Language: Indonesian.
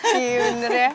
gila bener ya pak